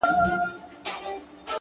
گلي پر ملا باندي راماته نسې؛